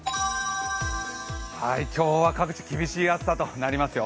今日は各地厳しい暑さとなりますよ。